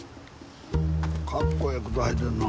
カッコええ靴履いてんな。